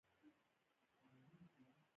د سرک ضخامت د ګراف له مخې پیدا کیږي